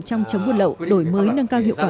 trong chống buôn lậu đổi mới nâng cao hiệu quả